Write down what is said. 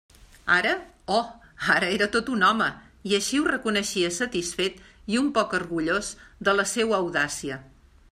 Ara..., oh!, ara era tot un home, i així ho reconeixia satisfet i un poc orgullós de la seua audàcia.